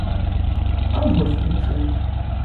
А вось у чым.